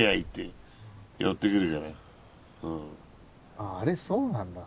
あああれそうなんだ。